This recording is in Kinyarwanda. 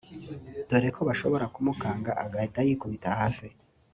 dore ko bashoboraga kumukanga agahita yikubita hasi